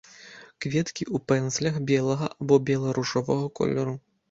Кветкі ў пэндзлях, белага або бела-ружовага колеру.